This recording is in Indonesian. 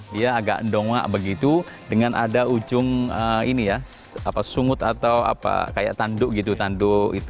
dia agak dongak begitu dengan ada ujung sungut atau kayak tanduk gitu